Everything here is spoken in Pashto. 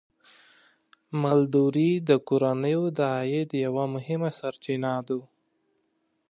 مالداري د کورنیو د عاید یوه مهمه سرچینه ده.